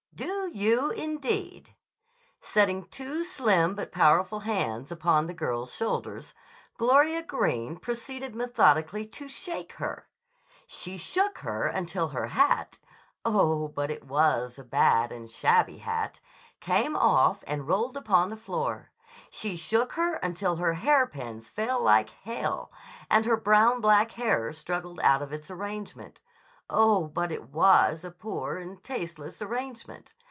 "Do you, indeed!" Setting two slim but powerful hands upon the girl's shoulders, Gloria Greene proceeded methodically to shake her. She shook her until her hat (oh, but it was a bad and shabby hat!) came off and rolled upon the floor. She shook her until her hairpins fell like hail and her brown black hair struggled out of its arrangement (oh, but it was a poor and tasteless arrangement!)